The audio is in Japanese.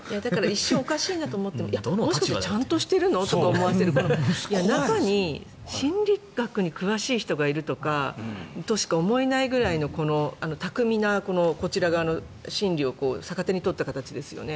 一瞬おかしいなと思ってもちゃんとしてるのって思わせるような中に心理学に詳しい人がいるとしか思えないぐらいの巧みなこちら側の心理を逆手に取った形ですよね。